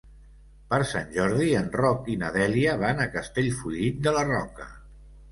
Per Sant Jordi en Roc i na Dèlia van a Castellfollit de la Roca.